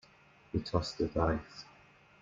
He tosses the dice.